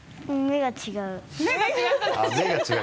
目が違う